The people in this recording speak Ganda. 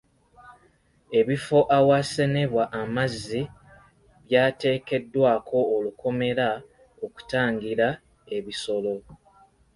Ebifo awasenebwa amazzi byateekeddwako olukomera okutangira ebisolo.